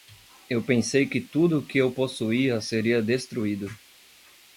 Eu pensei que tudo que eu possuía seria destruído.